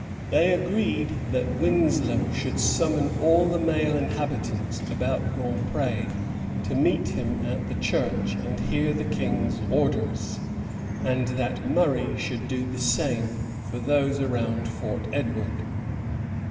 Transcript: They agreed that Winslow should summon all the male inhabitants about Grand Pré to meet him at the church and hear the King's orders, and that Murray should do the same for those around Fort Edward.